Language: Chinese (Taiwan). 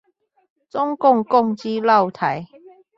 中共共機繞台